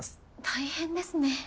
大変ですね。